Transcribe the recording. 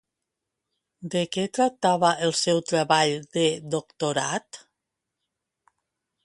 De què tractava el seu treball de doctorat?